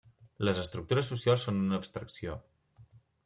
Les estructures socials són una abstracció.